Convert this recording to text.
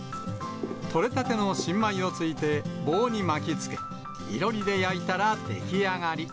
取れたての新米をついて、棒に巻きつけ、いろりで焼いたら出来上がり。